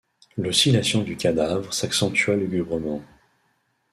L’oscillation du cadavre s’accentua lugubrement.